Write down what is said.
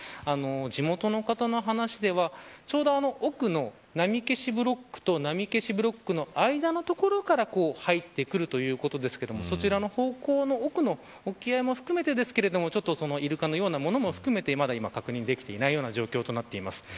地元の方の話ではちょうど奥の波消しブロックと波消しブロックの間の所から入ってくるということですがそちらの方向の奥の沖合も含めてイルカのようなものも含めて確認できていないような状況になっています。